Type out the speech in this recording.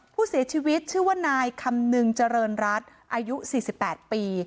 ผู้เสียชีวิตชื่อว่านายคำนึงเจริญรัฐอายุ๔๘ปี